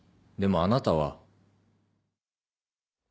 でもあなたは。